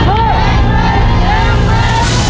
เฮ้ย